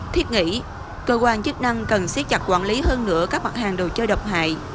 thiết nghĩ cơ quan chức năng cần siết chặt quản lý hơn nữa các mặt hàng đồ chơi độc hại